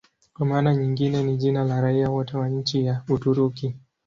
Kwa maana nyingine ni jina la raia wote wa nchi ya Uturuki.